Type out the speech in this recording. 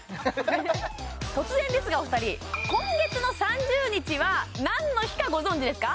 突然ですがお二人今月の３０日は何の日かご存じですか？